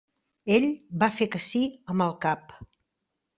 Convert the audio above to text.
Ell va fer que sí amb el cap.